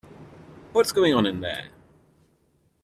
What's going on in there?